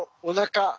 おなか。